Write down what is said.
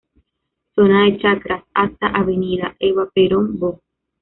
Zona de Chacras, hasta Avda. Eva Perón, Bo.